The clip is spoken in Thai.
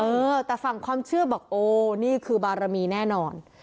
เออแต่ฝั่งความเชื่อบอกโอ้นี่คือบารมีแน่นอน